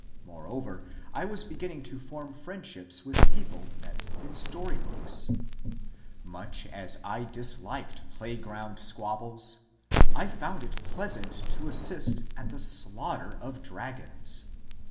Moreover, I was be ginning to form friendships with people met in story books. Much as I disliked playground squabbles, I found it pleasant MY EARLY BEADING 81 to assist at the slaughter of dragons.